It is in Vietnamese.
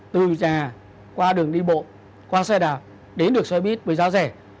từ nhà qua đường đi bộ qua xe đào đến được xe bus với giá rẻ